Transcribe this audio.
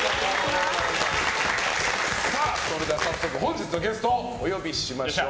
早速本日のゲストをお呼びしましょう。